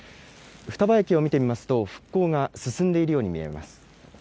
双葉駅を見てみますと、復興が進んでいるように見えます。